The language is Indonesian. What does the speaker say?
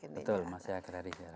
betul masih agraris